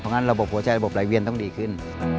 เพราะงั้นระบบหัวใจระบบไหลเวียนต้องดีขึ้น